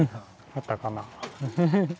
あったかな。